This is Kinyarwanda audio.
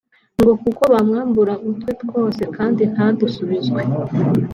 ngo kuko bamwambura utwe twose kandi ntadusubizwe